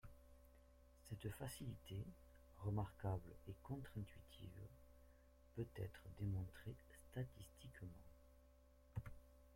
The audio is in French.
Cette facilité, remarquable et contre-intuitive, peut être démontrée statistiquement.